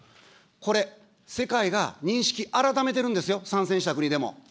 これ、世界が認識改めてるんですよ、参戦した国でも。